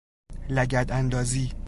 لگد اندازی